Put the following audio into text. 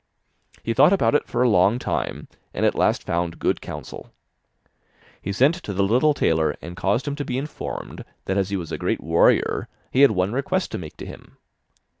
He thought about it for a long time, and at last found good counsel. He sent to the little tailor and caused him to be informed that as he was a great warrior, he had one request to make to him.